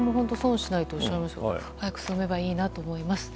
早く進めばいいなと思います。